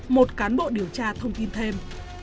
một cán bộ điều tra thông tin thêm